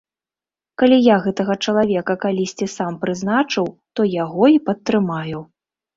Калі я гэтага чалавека калісьці сам прызначыў, то яго і падтрымаю.